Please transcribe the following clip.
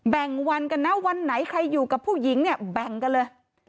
แบ่งวันกันนะวันไหนใครอยู่กับผู้หญิงเนี่ยแบ่งกันเลย